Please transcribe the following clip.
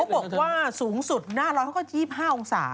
เขาบอกว่าสูงสุดหน้าเราเขาก็๒๕องศา